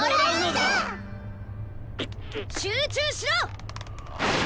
集中しろ！